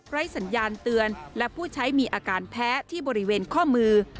สัญญาณเตือนและผู้ใช้มีอาการแพ้ที่บริเวณข้อมือ